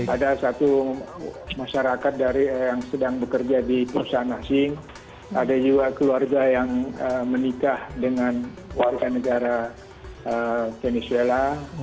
ada satu masyarakat yang sedang bekerja di perusahaan asing ada juga keluarga yang menikah dengan warga negara venezuela